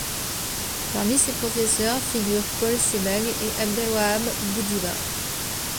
Parmi ses professeurs figurent Paul Sebag et Abdelwahab Bouhdiba.